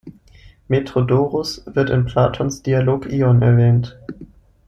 Metrodoros wird in Platons Dialog "Ion" erwähnt.